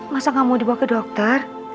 masa gak mau dibawa ke dokter